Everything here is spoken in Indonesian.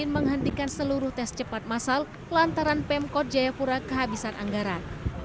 menghentikan seluruh tes cepat masal lantaran pemkot jayapura kehabisan anggaran